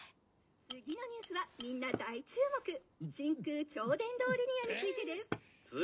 次のニュースはみんな大注目真空超電導リニアについてです。